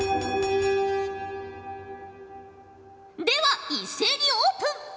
では一斉にオープン。